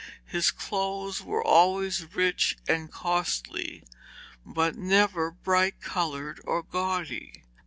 His clothes were always rich and costly, but never bright coloured or gaudy.